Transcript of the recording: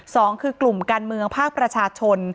สองคือกลุ่มการเมืองภาคประชาชน